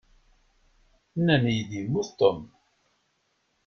Nnan-iyi-d yemmut Tom.